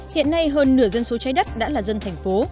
hiện nay hơn nửa dân số trái đất đã là dân thành phố